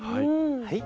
はい。